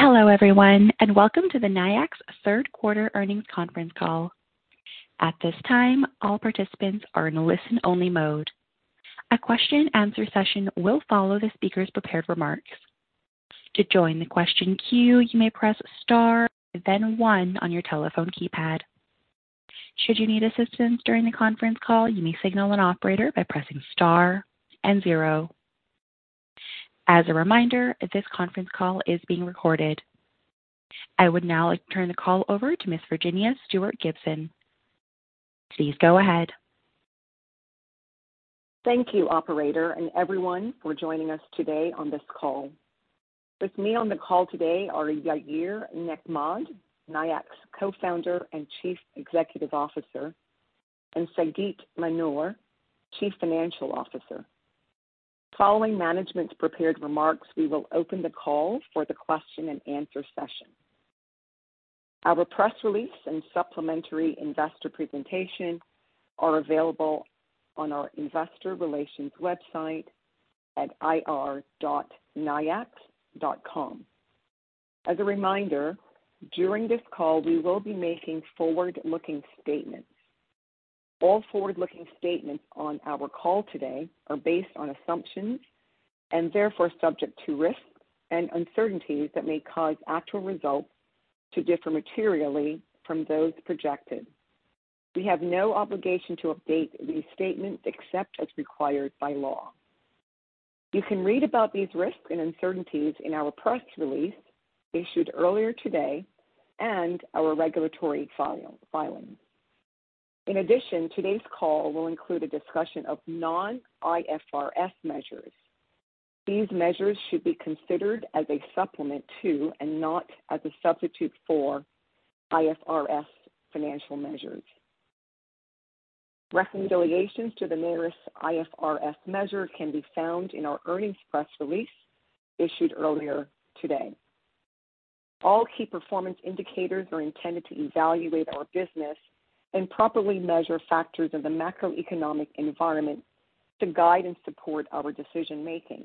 Hello everyone, and welcome to the Nayax third quarter earnings conference call. At this time, all participants are in listen-only mode. A question answer session will follow the speaker's prepared remarks. To join the question queue, you may press star, then one on your telephone keypad. Should you need assistance during the conference call, you may signal an operator by pressing Star and zero. As a reminder, this conference call is being recorded. I would now like to turn the call over to Ms. Virginea Stuart Gibson. Please go ahead. Thank you operator and everyone for joining us today on this call. With me on the call today are Yair Nechmad, Nayax Co-founder and Chief Executive Officer, and Sagit Manor, Chief Financial Officer. Following management's prepared remarks, we will open the call for the question and answer session. Our press release and supplementary investor presentation are available on our investor relations website at ir.nayax.com. As a reminder, during this call we will be making forward-looking statements. All forward-looking statements on our call today are based on assumptions and therefore subject to risks and uncertainties that may cause actual results to differ materially from those projected. We have no obligation to update these statements except as required by law. You can read about these risks and uncertainties in our press release issued earlier today and our regulatory filings. In addition, today's call will include a discussion of non-IFRS measures. These measures should be considered as a supplement to, and not as a substitute for IFRS financial measures. Reconciliations to the nearest IFRS measure can be found in our earnings press release issued earlier today. All key performance indicators are intended to evaluate our business and properly measure factors of the macroeconomic environment to guide and support our decision-making.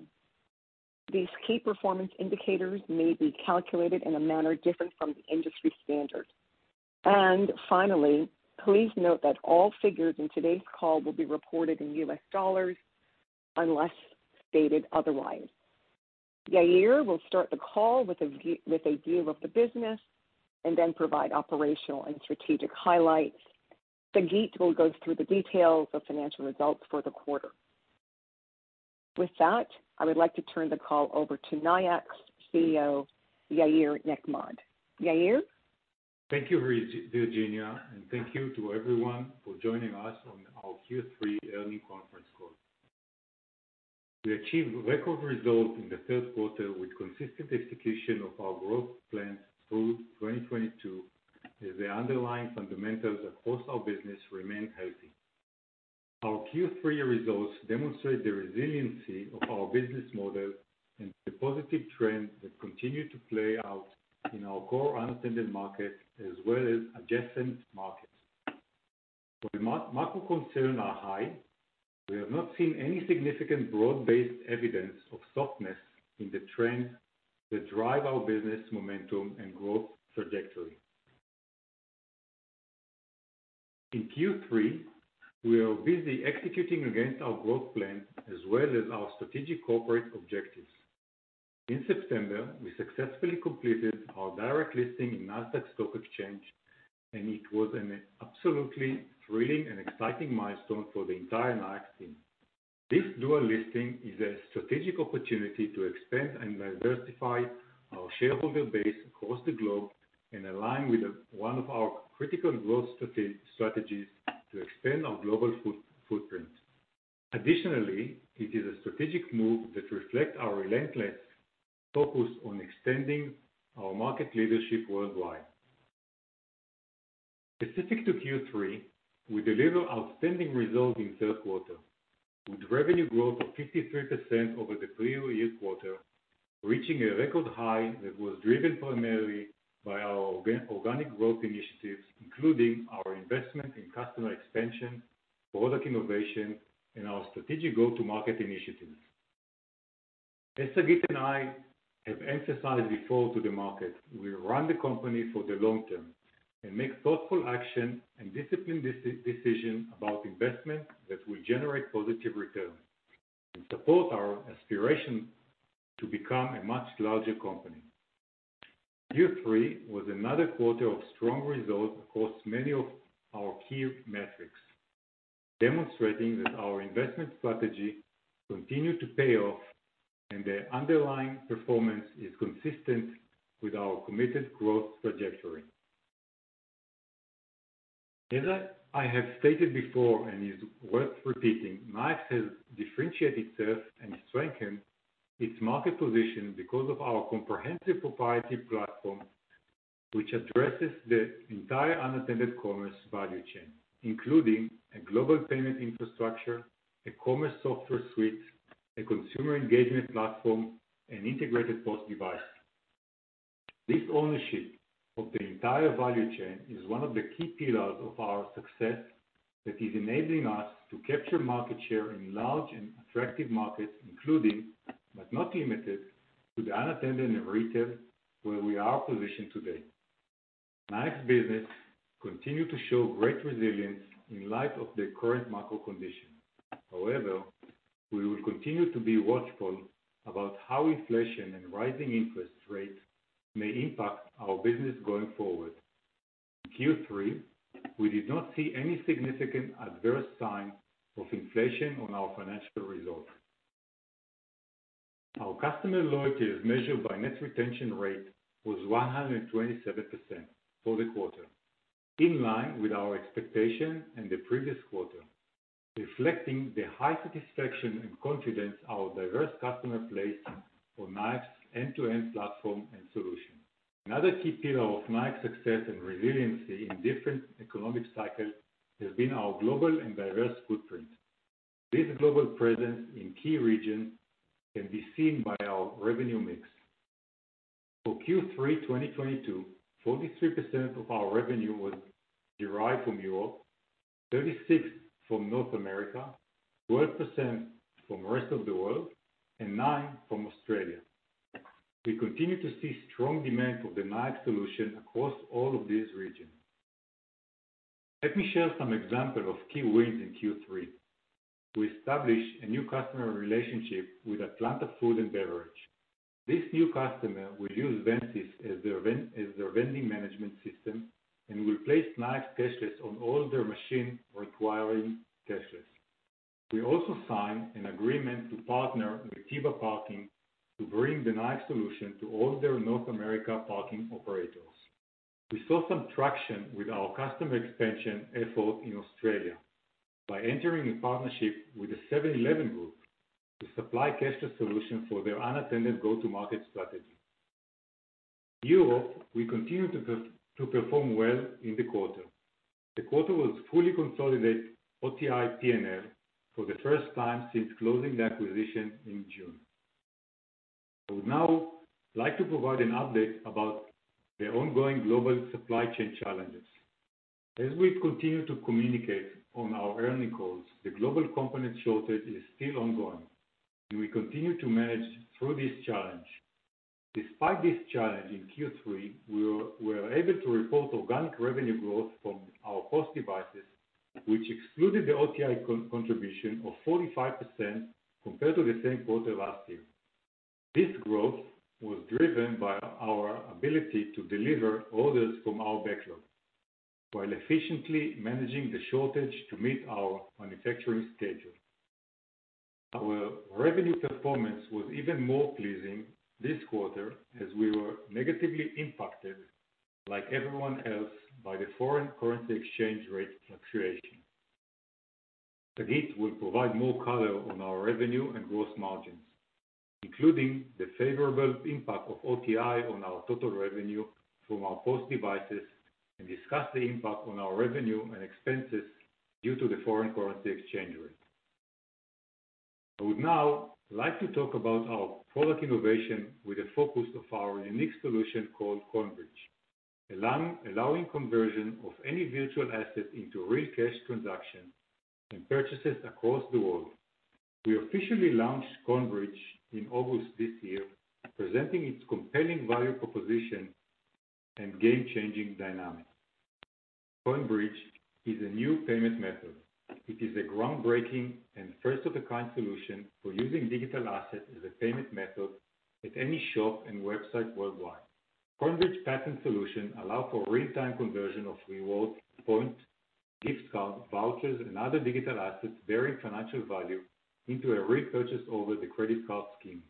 These key performance indicators may be calculated in a manner different from the industry standard. Finally, please note that all figures in today's call will be reported in US dollars unless stated otherwise. Yair will start the call with a view of the business and then provide operational and strategic highlights. Sagit will go through the details of financial results for the quarter. With that, I would like to turn the call over to Nayax CEO, Yair Nechmad. Yair. Thank you, Virginia, and thank you to everyone for joining us on our Q3 earnings conference call. We achieved record results in the third quarter with consistent execution of our growth plans through 2022, as the underlying fundamentals across our business remain healthy. Our Q3 results demonstrate the resiliency of our business model and the positive trends that continue to play out in our core unattended market as well as adjacent markets. When macro concerns are high, we have not seen any significant broad-based evidence of softness in the trends that drive our business momentum and growth trajectory. In Q3, we are busy executing against our growth plan as well as our strategic corporate objectives. In September, we successfully completed our direct listing in Nasdaq Stock Exchange, and it was an absolutely thrilling and exciting milestone for the entire Nayax team. This dual listing is a strategic opportunity to expand and diversify our shareholder base across the globe and align with the one of our critical growth strategies to expand our global footprint. Additionally, it is a strategic move that reflects our relentless focus on extending our market leadership worldwide. Specific to Q3, we deliver outstanding results in third quarter, with revenue growth of 53% over the prior year quarter, reaching a record high that was driven primarily by our organic growth initiatives, including our investment in customer expansion, product innovation, and our strategic go-to-market initiatives. As Sagit and I have emphasized before to the market, we run the company for the long term and make thoughtful action and disciplined decision about investments that will generate positive returns and support our aspiration to become a much larger company. Q3 was another quarter of strong results across many of our key metrics, demonstrating that our investment strategy continued to pay off and the underlying performance is consistent with our committed growth trajectory. As I have stated before and is worth repeating, Nayax has differentiated itself and strengthened its market position because of our comprehensive proprietary platform, which addresses the entire unattended commerce value chain, including a global payment infrastructure, a commerce software suite, a consumer engagement platform, and integrated POS device. This ownership of the entire value chain is one of the key pillars of our success that is enabling us to capture market share in large and attractive markets, including, but not limited to the unattended retail where we are positioned today. Nayax business continue to show great resilience in light of the current macro conditions. However, we will continue to be watchful about how inflation and rising interest rates may impact our business going forward. In Q3, we did not see any significant adverse sign of inflation on our financial results. Our customer loyalty is measured by net retention rate was 127% for the quarter, in line with our expectation in the previous quarter, reflecting the high satisfaction and confidence our diverse customer place for Nayax end-to-end platform and solution. Another key pillar of Nayax success and resiliency in different economic cycles has been our global and diverse footprint. This global presence in key regions can be seen by our revenue mix. For Q3 2022, 43% of our revenue was derived from Europe, 36% from North America, 12% from rest of the world, and 9% from Australia. We continue to see strong demand for the Nayax solution across all of these regions. Let me share some example of key wins in Q3. We established a new customer relationship with Atlanta Food & Beverage. This new customer will use VendSys as their vending management system and will place Nayax cashless on all their machine requiring cashless. We also signed an agreement to partner with TIBA Parking to bring the Nayax solution to all their North America parking operators. We saw some traction with our customer expansion effort in Australia by entering a partnership with the 7-Eleven group to supply cashless solution for their unattended go-to-market strategy. Europe, we continue to perform well in the quarter. The quarter was fully consolidated OTI P&L for the first time since closing the acquisition in June. I would now like to provide an update about the ongoing global supply chain challenges. As we continue to communicate on our earnings calls, the global component shortage is still ongoing, and we continue to manage through this challenge. Despite this challenge in Q3, we were able to report organic revenue growth from our POS devices, which excluded the OTI contribution of 45% compared to the same quarter last year. This growth was driven by our ability to deliver orders from our backlog, while efficiently managing the shortage to meet our manufacturing schedule. Our revenue performance was even more pleasing this quarter, as we were negatively impacted, like everyone else, by the foreign currency exchange rate fluctuation. Sagit will provide more color on our revenue and gross margins, including the favorable impact of OTI on our total revenue from our POS devices, and discuss the impact on our revenue and expenses due to the foreign currency exchange rate. I would now like to talk about our product innovation with a focus of our unique solution called CoinBridge, allowing conversion of any virtual asset into real cash transaction and purchases across the world. We officially launched CoinBridge in August this year, presenting its compelling value proposition and game-changing dynamics. CoinBridge is a new payment method. It is a groundbreaking and first-of-a-kind solution for using digital assets as a payment method at any shop and website worldwide. CoinBridge patent solution allow for real-time conversion of rewards, points, "gift cards", vouchers, and other digital assets bearing financial value into a purchase over the credit card scheme.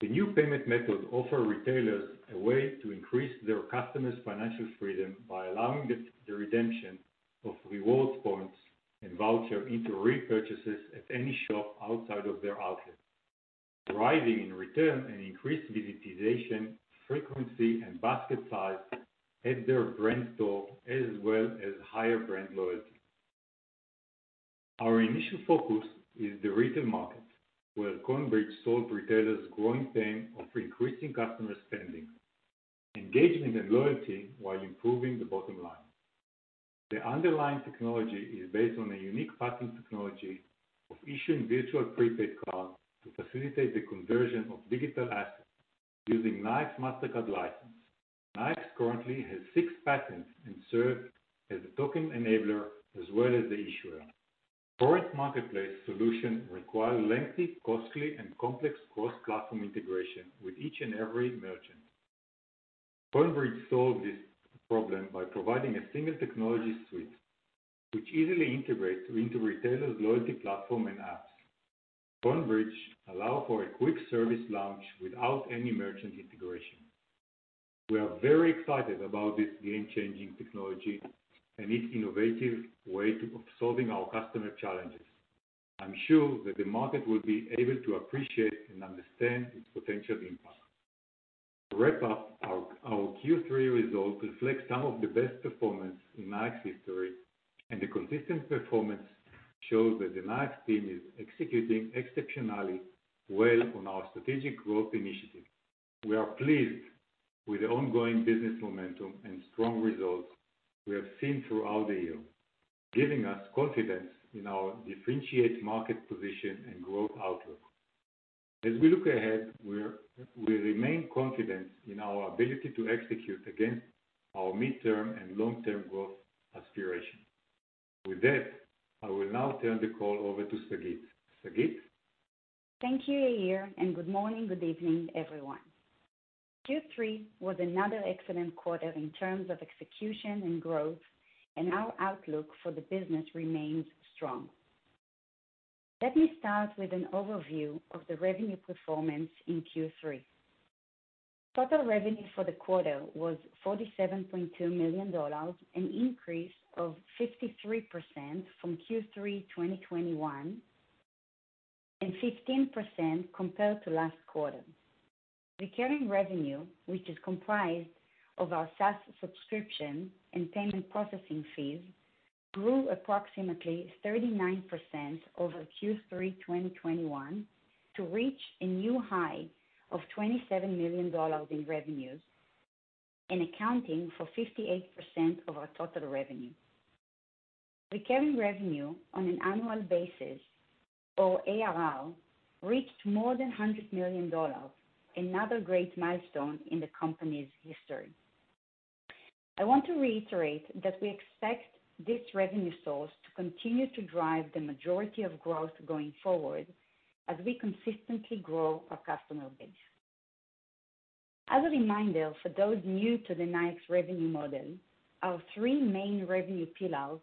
The new payment method offers retailers a way to increase their customers' financial freedom by allowing the redemption of rewards, points, and voucher into repurchases at any shop outside of their outlet, driving in return an increased visitation, frequency, and basket size at their brand store, as well as higher brand loyalty. Our initial focus is the retail market, where CoinBridge solves retailers' growing pain of increasing customer spending, engagement, and loyalty while improving the bottom line. The underlying technology is based on a unique patented technology of issuing virtual prepaid cards to facilitate the conversion of digital assets using Nayax Mastercard license. Nayax currently has six patents and serves as a token enabler as well as the issuer. Current marketplace solutions require lengthy, costly, and complex cross-platform integration with each and every merchant. CoinBridge solves this problem by providing a single technology suite which easily integrates into retailers' loyalty platform and apps. CoinBridge allows for a quick service launch without any merchant integration. We are very excited about this game-changing technology and its innovative way of solving our customer challenges. I'm sure that the market will be able to appreciate and understand its potential impact. To wrap up, our Q3 results reflect some of the best performance in Nayax's history, and the consistent performance shows that the Nayax's team is executing exceptionally well on our strategic growth initiative. We are pleased with the ongoing business momentum and strong results we have seen throughout the year, giving us confidence in our differentiated market position and growth outlook. As we look ahead, we remain confident in our ability to execute against our midterm and long-term growth aspiration. With that, I will now turn the call over to Sagit. Sagit? Thank you, Yair, and good morning, good evening, everyone. Q3 was another excellent quarter in terms of execution and growth, and our outlook for the business remains strong. Let me start with an overview of the revenue performance in Q3. Total revenue for the quarter was $47.2 million, an increase of 53% from Q3 2021, and 15% compared to last quarter. Recurring revenue, which is comprised of our SaaS subscription and payment processing fees, grew approximately 39% over Q3 2021, to reach a new high of $27 million in revenues and accounting for 58% of our total revenue. Recurring revenue on an annual basis or ARR reached more than $100 million, another great milestone in the company's history. I want to reiterate that we expect this revenue source to continue to drive the majority of growth going forward as we consistently grow our customer base. As a reminder for those new to the Nayax's revenue model, our three main revenue pillars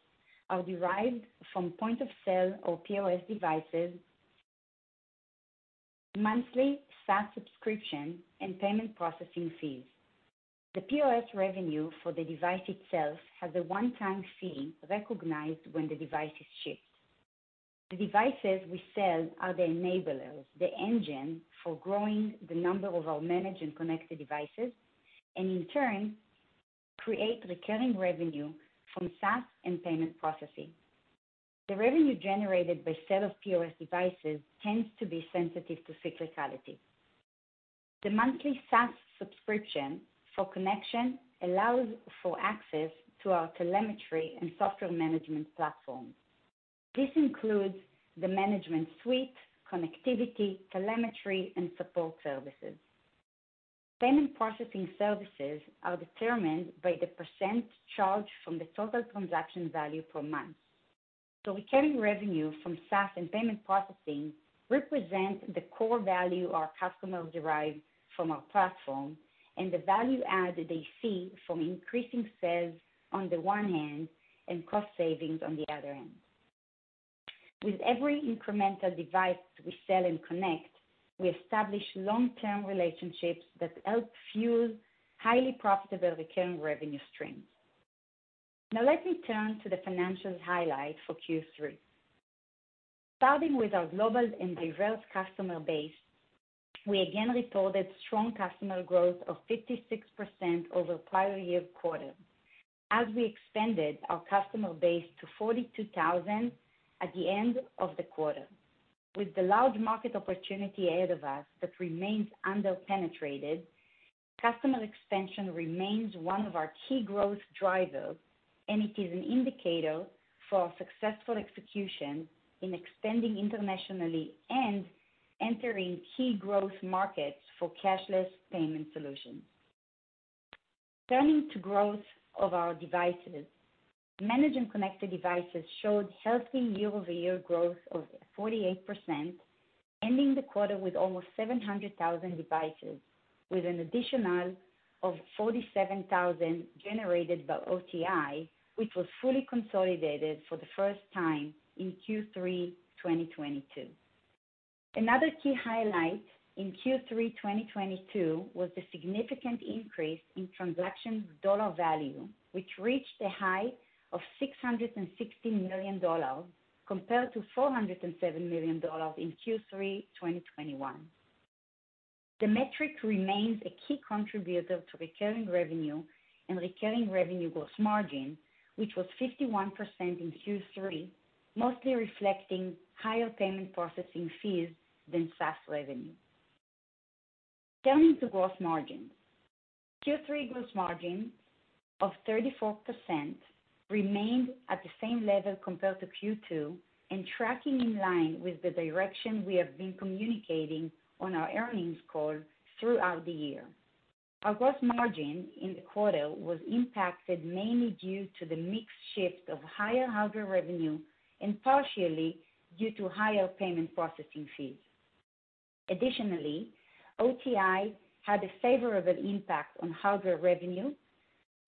are derived from point of sale or POS devices, monthly SaaS subscription, and payment processing fees. The POS revenue for the device itself has a one-time fee recognized when the device is shipped. The devices we sell are the enablers, the engine for growing the number of our managed and connected devices, and in turn, create recurring revenue from SaaS and payment processing. The revenue generated by sale of POS devices tends to be sensitive to cyclicality. The monthly SaaS subscription for connection allows for access to our telemetry and software management platform. This includes the management suite, connectivity, telemetry, and support services. Payment processing services are determined by the percent charged from the total transaction value per month. Recurring revenue from SaaS and payment processing represent the core value our customers derive from our platform and the value add that they see from increasing sales on the one hand and cost savings on the other end. With every incremental device we sell and connect, we establish long-term relationships that help fuel highly profitable recurring revenue streams. Now, let me turn to the financial highlight for Q3. Starting with our global and diverse customer base, we again reported strong customer growth of 56% over prior year quarter as we expanded our customer base to 42,000 at the end of the quarter. With the large market opportunity ahead of us that remains under-penetrated, customer expansion remains one of our key growth drivers, and it is an indicator for our successful execution in expanding internationally and entering key growth markets for cashless payment solutions. Turning to growth of our devices. Managed and connected devices showed healthy year-over-year growth of 48%, ending the quarter with almost 700,000 devices with an additional of 47,000 generated by OTI, which was fully consolidated for the first time in Q3 2022. Another key highlight in Q3 2022 was the significant increase in transaction dollar value, which reached a high of $660 million compared to $407 million in Q3 2021. The metric remains a key contributor to recurring revenue and recurring revenue gross margin, which was 51% in Q3, mostly reflecting higher payment processing fees than SaaS revenue. Turning to gross margin. Q3 gross margin of 34% remained at the same level compared to Q2 and tracking in line with the direction we have been communicating on our earnings call throughout the year. Our gross margin in the quarter was impacted mainly due to the mix shift of higher hardware revenue and partially due to higher payment processing fees. Additionally, OTI had a favorable impact on hardware revenue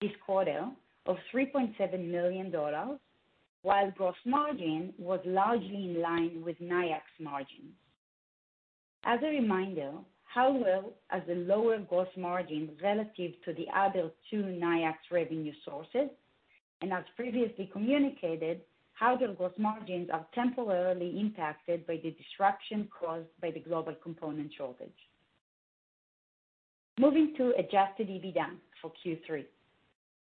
this quarter of $3.7 million, while gross margin was largely in line with Nayax's margin. As a reminder, hardware has a lower gross margin relative to the other two Nayax's revenue sources. As previously communicated, how their gross margins are temporarily impacted by the disruption caused by the global component shortage. Moving to Adjusted EBITDA for Q3.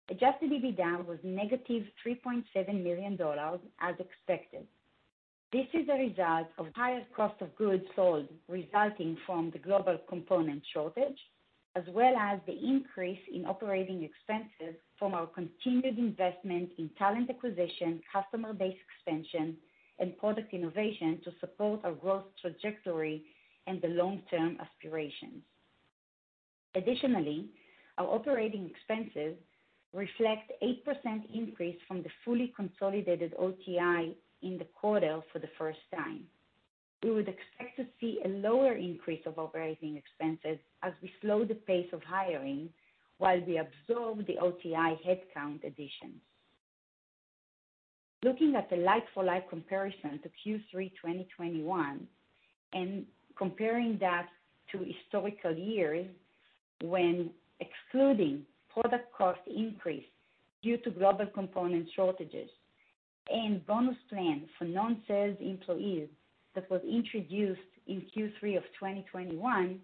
Adjusted EBITDA was negative $3.7 million as expected. This is a result of higher cost of goods sold resulting from the global component shortage, as well as the increase in operating expenses from our continued investment in talent acquisition, customer base expansion, and product innovation to support our growth trajectory and the long-term aspirations. Additionally, our operating expenses reflect 8% increase from the fully consolidated OTI in the quarter for the first time. We would expect to see a lower increase of operating expenses as we slow the pace of hiring while we absorb the OTI headcount additions. Looking at the like-for-like comparison to Q3 2021 and comparing that to historical years when excluding product cost increase due to global component shortages and bonus plan for non-sales employees that was introduced in Q3 of 2021,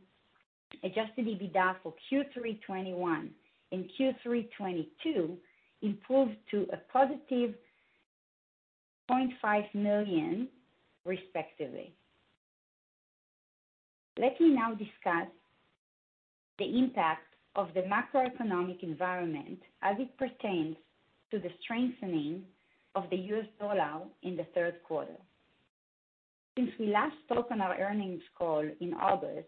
Adjusted EBITDA for Q3 2021 and Q3 2022 improved to a positive $0.5 million respectively. Let me now discuss the impact of the macroeconomic environment as it pertains to the strengthening of the US dollar in the third quarter. Since we last spoke on our earnings call in August,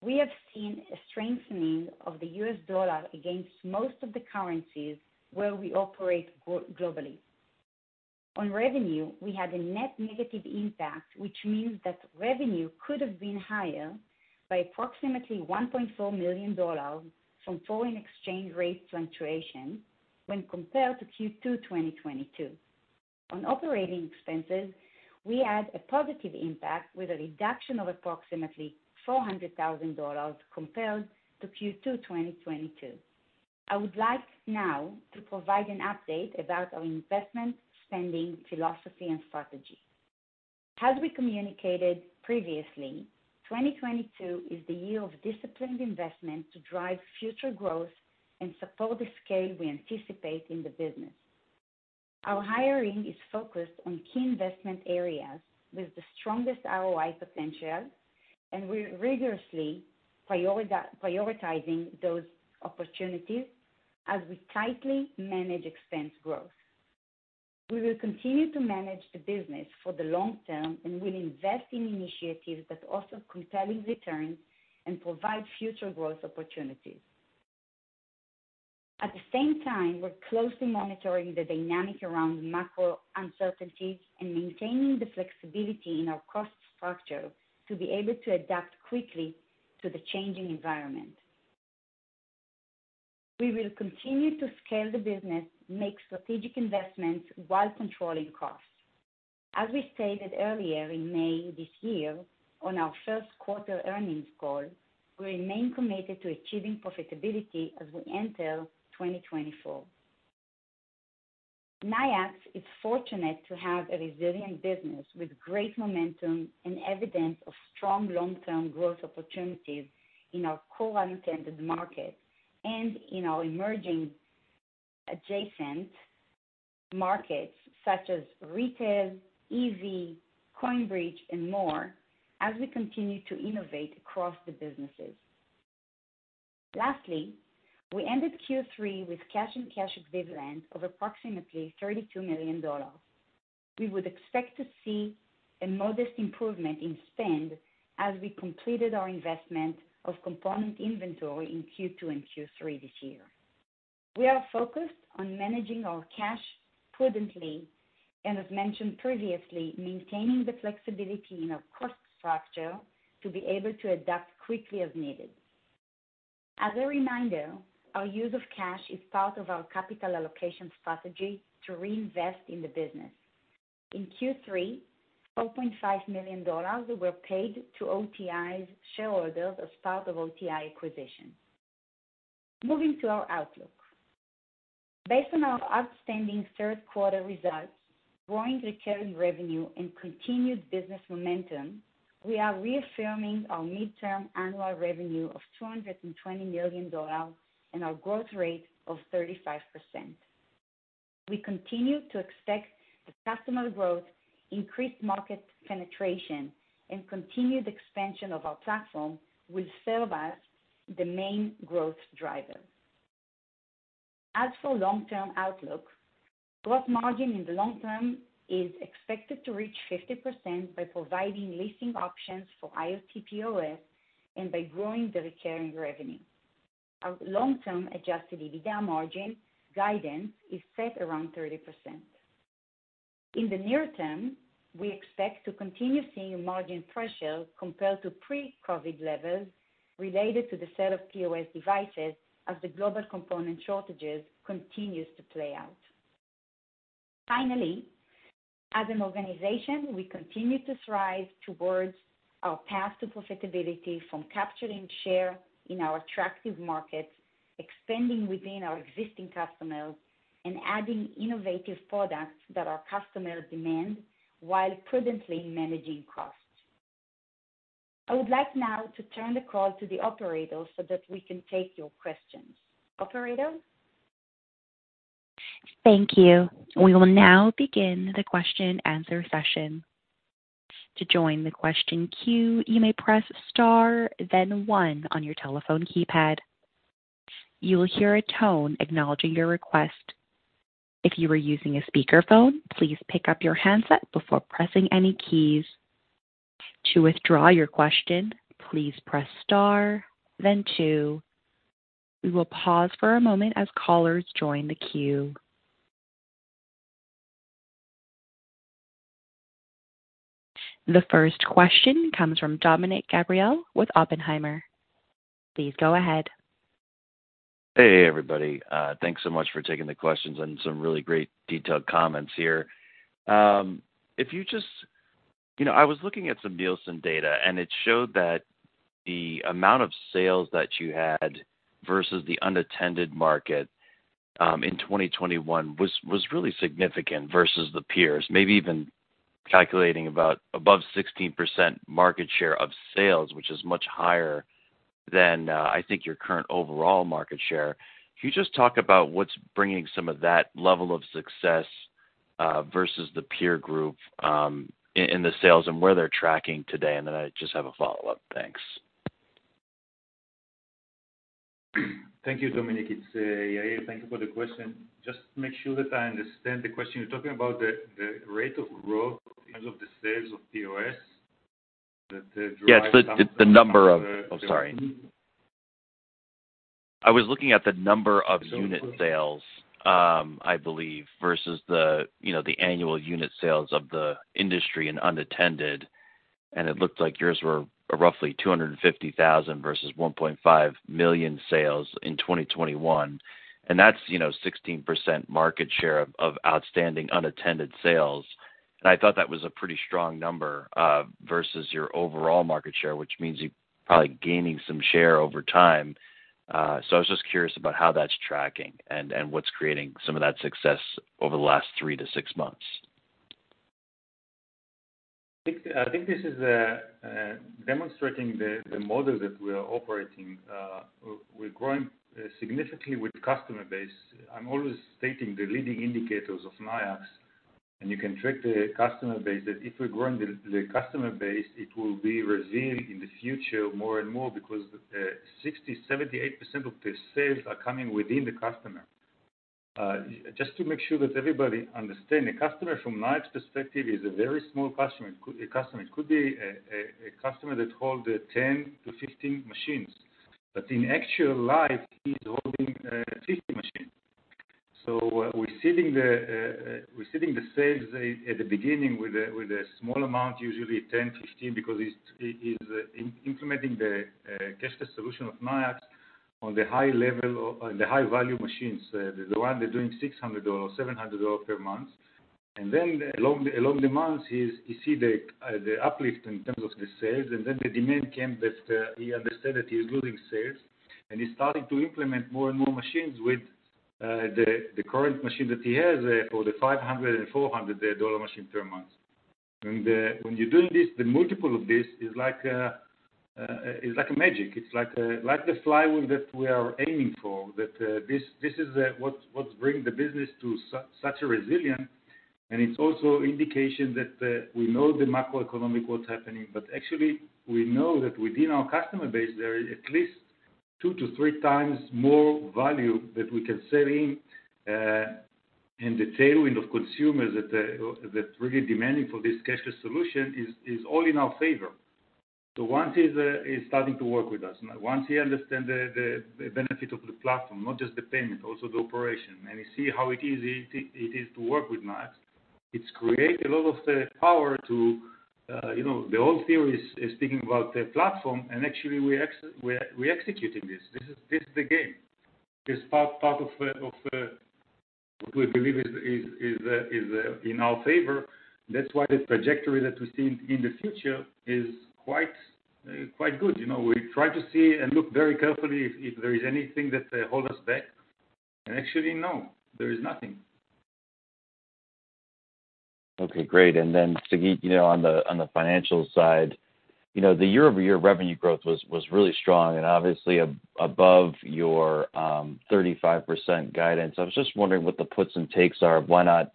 we have seen a strengthening of the US dollar against most of the currencies where we operate globally. On revenue, we had a net negative impact, which means that revenue could have been higher by approximately $1.4 million from foreign exchange rate fluctuations when compared to Q2 2022. On operating expenses, we had a positive impact with a reduction of approximately $400,000 compared to Q2, 2022. I would like now to provide an update about our investment spending philosophy and strategy. As we communicated previously, 2022 is the year of disciplined investment to drive future growth and support the scale we anticipate in the business. Our hiring is focused on key investment areas with the strongest ROI potential, and we're rigorously prioritizing those opportunities as we tightly manage expense growth. We will continue to manage the business for the long term, and we'll invest in initiatives that offer compelling returns and provide future growth opportunities. At the same time, we're closely monitoring the dynamic around macro uncertainties and maintaining the flexibility in our cost structure to be able to adapt quickly to the changing environment. We will continue to scale the business, make strategic investments while controlling costs. As we stated earlier in May this year on our first quarter earnings call, we remain committed to achieving profitability as we enter 2024. Nayax is fortunate to have a resilient business with great momentum and evidence of strong long-term growth opportunities in our core unattended market and in our emerging adjacent markets such as retail, EV, CoinBridge, and more as we continue to innovate across the businesses. Lastly, we ended Q3 with cash and cash equivalents of approximately $32 million. We would expect to see a modest improvement in spend as we completed our investment of component inventory in Q2 and Q3 this year. We are focused on managing our cash prudently and as mentioned previously, maintaining the flexibility in our cost structure to be able to adapt quickly as needed. As a reminder, our use of cash is part of our capital allocation strategy to reinvest in the business. In Q3, $4.5 million were paid to OTI's shareholders as part of OTI acquisition. Moving to our outlook. Based on our outstanding third quarter results, growing recurring revenue and continued business momentum, we are reaffirming our midterm annual revenue of $220 million and our growth rate of 35%. We continue to expect the customer growth, increased market penetration, and continued expansion of our platform will serve as the main growth driver. As for long-term outlook, gross margin in the long term is expected to reach 50% by providing leasing options for IoT POS and by growing the recurring revenue. Our long-term Adjusted EBITDA margin guidance is set around 30%. In the near term, we expect to continue seeing a margin pressure compared to pre-COVID levels related to the sale of POS devices as the global component shortages continue to play out. As an organization, we continue to strive towards our path to profitability from capturing share in our attractive markets, expanding within our existing customers, and adding innovative products that our customers demand while prudently managing costs. I would like now to turn the call to the operator so that we can take your questions. Operator? Thank you. We will now begin the question-answer session. To join the question queue, you may press star then one on your telephone keypad. You will hear a tone acknowledging your request. If you are using a speakerphone, please pick up your handset before pressing any keys. To withdraw your question, please press star then two. We will pause for a moment as callers join the queue. The first question comes from Dominick Gabriele with Oppenheimer. Please go ahead. Hey, everybody. Thanks so much for taking the questions and some really great detailed comments here. You know, I was looking at some Nielsen data, and it showed that the amount of sales that you had versus the unattended market in 2021 was really significant versus the peers, maybe even calculating about above 16% market share of sales, which is much higher than I think your current overall market share. Can you just talk about what's bringing some of that level of success versus the peer group in the sales and where they're tracking today, and then I just have a follow-up. Thanks. Thank you, Dominick. It's Yair. Thank you for the question. Just to make sure that I understand the question. You're talking about the rate of growth in terms of the sales of POS that derive- Oh, sorry. I was looking at the number of unit sales. Okay. I believe versus the annual unit sales of the industry and unattended, and it looked like yours were roughly 250,000 versus 1.5 million sales in 2021. That's, you know, 16% market share of outstanding unattended sales. I thought that was a pretty strong number versus your overall market share, which means you're probably gaining some share over time. I was just curious about how that's tracking and what's creating some of that success over the last 3-6 months. I think this is demonstrating the model that we are operating. We're growing significantly with customer base. I'm always stating the leading indicators of Nayax, and you can track the customer base, that if we're growing the customer base, it will be resilient in the future more and more because 60%-78% of the sales are coming within the customer. Just to make sure that everybody understand, a customer from Nayax perspective is a very small customer, a customer. It could be a customer that hold 10-15 machines, but in actual life, he's holding 50 machines. We're seeing the sales at the beginning with a small amount, usually 10, 15, because it's implementing the cashless solution of Nayax on the high level of on the high value machines, the one that doing $600, $700 per month. Then along the months, you see the uplift in terms of the sales, and then the demand came that he understand that he's losing sales, and he's starting to implement more and more machines with the current machine that he has for the $500 and $400 dollar machine per month. When you're doing this, the multiple of this is like a magic. It's like the flywheel that we are aiming for. This is what's bringing the business to such a resilience. It's also indication that we know the macroeconomic, what's happening. Actually, we know that within our customer base, there is at least 2-3 times more value that we can sell in the tailwind of consumers that really demanding for this cashless solution is all in our favor. Once he's starting to work with us, once he understand the benefit of the platform, not just the payment, also the operation, and you see how it easy it is to work with Nayax, it's create a lot of the power to, you know, the whole theory is speaking about the platform, and actually we're executing this. This is the game. This part of what we believe is in our favor. That's why the trajectory that we see in the future is quite good. You know, we try to see and look very carefully if there is anything that hold us back. Actually, no, there is nothing. Okay, great. Sagit, you know, on the financial side, you know, the year-over-year revenue growth was really strong and obviously above your 35% guidance. I was just wondering what the puts and takes are. Why not,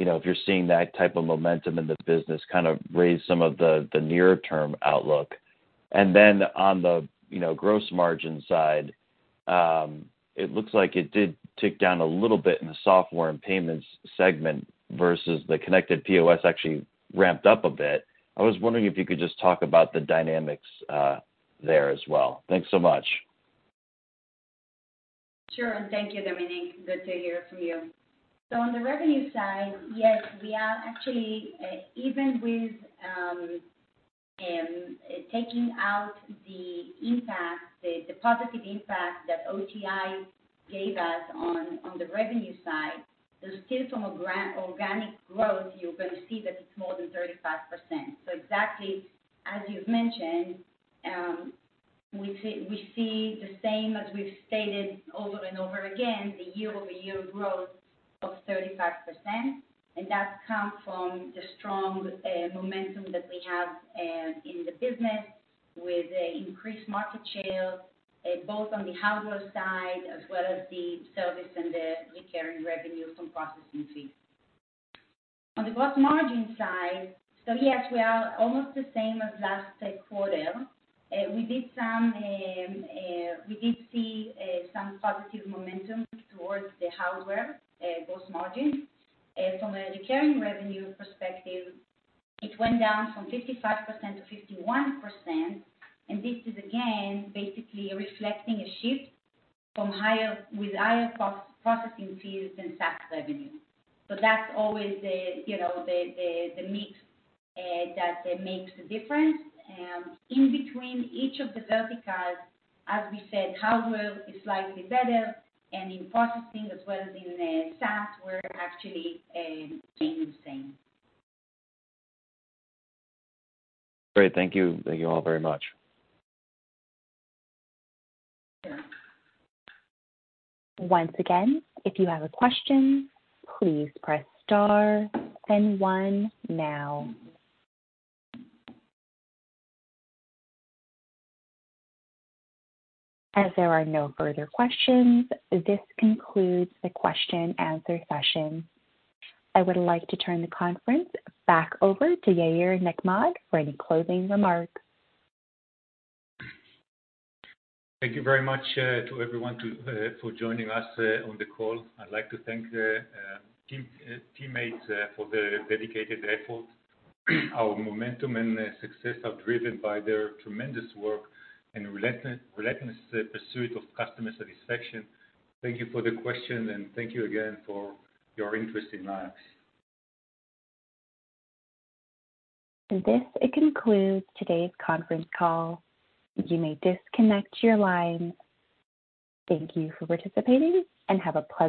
you know, if you're seeing that type of momentum in the business, kind of raise some of the near-term outlook. On the, you know, gross margin side, it looks like it did tick down a little bit in the software and payments segment versus the connected POS actually ramped up a bit. I was wondering if you could just talk about the dynamics there as well. Thanks so much. Sure. Thank you, Dominick. Good to hear from you. On the revenue side, yes, we are actually even with, Taking out the impact, the positive impact that OTI gave us on the revenue side, still from a organic growth, you're going to see that it's more than 35%. Exactly as you've mentioned, we see the same as we've stated over and over again, the year-over-year growth of 35%, and that comes from the strong momentum that we have in the business with increased market share both on the hardware side as well as the service and the recurring revenue from processing fees. On the gross margin side, yes, we are almost the same as last quarter. We did see some positive momentum towards the hardware gross margin. From a recurring revenue perspective, it went down from 55% to 51%. This is again, basically reflecting a shift with higher processing fees and SaaS revenue. That's always the, you know, the mix that makes a difference. In between each of the verticals, as we said, hardware is slightly better and in processing as well as in SaaS, we're actually staying the same. Great. Thank you. Thank you all very much. Sure. Once again, if you have a question, please press star then one now. As there are no further questions, this concludes the question and answer session. I would like to turn the conference back over to Yair Nechmad for any closing remarks. Thank you very much to everyone for joining us on the call. I'd like to thank the teammates for their dedicated effort. Our momentum and success are driven by their tremendous work and relentless pursuit of customer satisfaction. Thank you for the questions, and thank you again for your interest in Nayax. This concludes today's conference call. You may disconnect your line. Thank you for participating, and have a pleasant rest of your day.